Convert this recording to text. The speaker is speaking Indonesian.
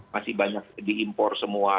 masih banyak diimpor semua